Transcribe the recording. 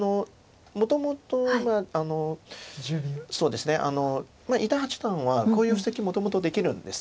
もともとそうですね伊田八段はこういう布石もともとできるんです。